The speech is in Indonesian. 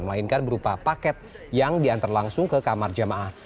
melainkan berupa paket yang diantar langsung ke kamar jemaah